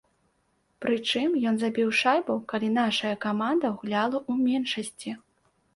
Прычым ён забіў шайбу, калі нашая каманда гуляла ў меншасці.